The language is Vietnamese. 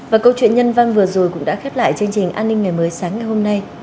và câu chuyện nhân văn vừa rồi cũng đã khép lại chương trình an ninh ngày một